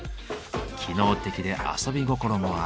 機能的で遊び心もある。